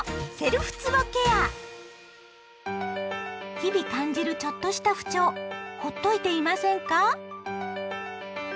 日々感じるちょっとした不調ほっといていませんか？